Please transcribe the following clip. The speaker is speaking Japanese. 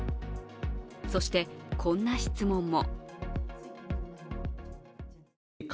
そして、こんな質問も。